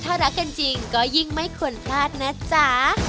ถ้ารักกันจริงก็ยิ่งไม่ควรพลาดนะจ๊ะ